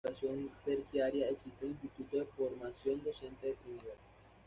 En referencia a la educación terciaria, existe el Instituto de Formación Docente de Trinidad.